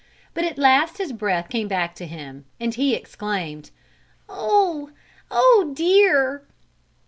But at last his breath came back to him, and he exclaimed: "Oh! Oh, dear!"